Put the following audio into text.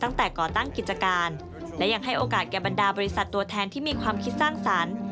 ก่อตั้งกิจการและยังให้โอกาสแก่บรรดาบริษัทตัวแทนที่มีความคิดสร้างสรรค์